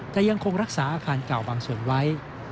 แต่ยังคงรักษาอาคารเก่าบางส่วนไว้